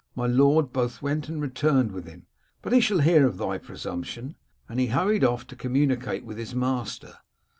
My lord both went and returned with him. But he shall hear of thy presumption.* And he hurried off to communicate with his master.